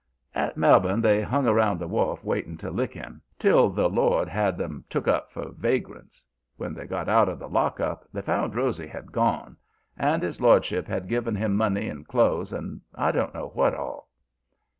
"At Melbourne they hung around the wharf, waiting to lick him, till the lord had 'em took up for vagrants. When they got out of the lockup they found Rosy had gone. And his lordship had given him money and clothes, and I don't know what all.